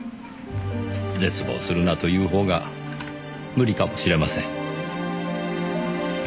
絶望するなというほうが無理かもしれません。